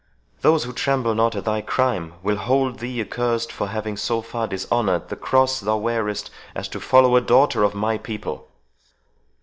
Those who tremble not at thy crime, will hold thee accursed for having so far dishonoured the cross thou wearest, as to follow a daughter of my people."